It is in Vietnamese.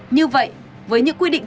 như vậy với những quy định